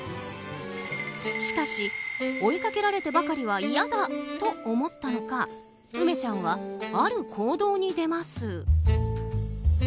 しかし、追いかけられてばかりは嫌だと思ったのかうめちゃんは、ある行動に出ます。